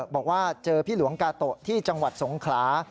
บอกว่าเจอพี่หลวงกาโตะที่จังหวัดสงขลา